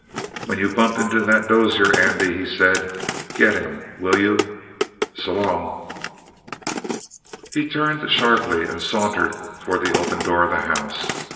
"When you bump into that Dozier, Andy," he said, "get him, will you? S'long!" He turned sharply and sauntered toward the open door of the house.